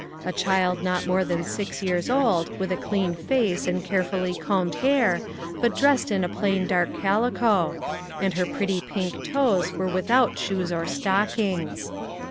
A child not more than six years old, with a clean face, and carefully combed hair, but dressed in a plain dark calico ; and her pretty pink toes were with out shoes or stockings.